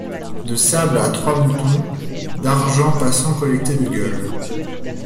De sable à trois moutons d'argent passants colletés de gueules.